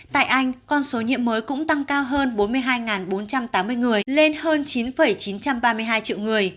tại anh con số nhiễm mới cũng tăng cao hơn bốn mươi hai bốn trăm tám mươi người lên hơn chín chín trăm ba mươi hai triệu người